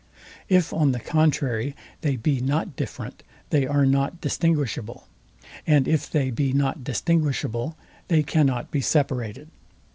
If on the contrary they be not different, they are not distinguishable: and if they be not distinguishable, they cannot be separated.